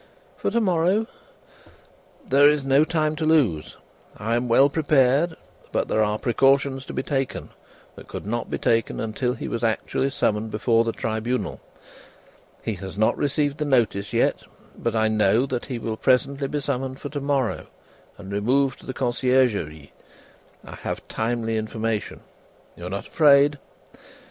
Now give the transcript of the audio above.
"For to morrow!" "There is no time to lose. I am well prepared, but there are precautions to be taken, that could not be taken until he was actually summoned before the Tribunal. He has not received the notice yet, but I know that he will presently be summoned for to morrow, and removed to the Conciergerie; I have timely information. You are not afraid?"